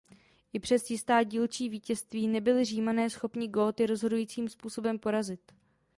I přes jistá dílčí vítězství nebyli Římané schopni Góty rozhodujícím způsobem porazit.